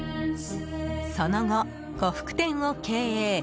その後、呉服店を経営。